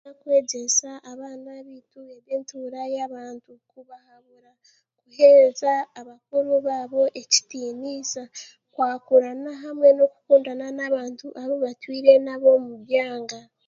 Nokwegyesa abaana baitu eby'entuura y'abantu kubahabura kuhereza abakuru baabo ekitiiniisa, kwakurana hamwe n'okukundana abantu abu batwire nabo omu byanga.